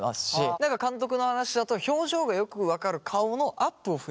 何か監督の話だと表情がよく分かる顔のアップを増やした。